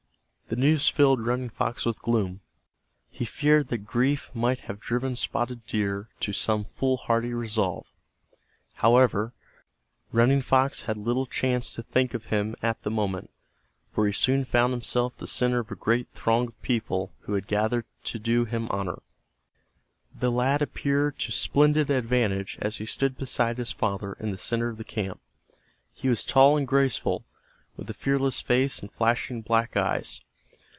The news filled Running Fox with gloom. He feared that grief might have driven Spotted Deer to some foolhardy resolve. However, Running Fox had little chance to think of him at the moment, for he soon found himself the center of a great throng of people who had gathered to do him honor. The lad appeared to splendid advantage as he stood beside his father in the center of the camp. He was tall and graceful, with a fearless face and flashing black eyes.